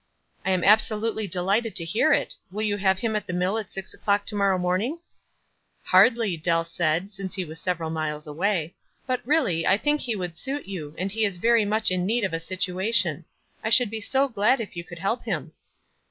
" I am absolutely delighted to hear it. Will you have him at the mill at six o'clock to morrow morning ?" "Hardly," Dell said, since he was several miles away. "But, really, I think he would suit you, and he is very much in need of a situ ation. I should be so glad if you could help him."